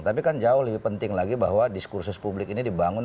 tapi kan jauh lebih penting lagi bahwa diskursus publik ini dibangun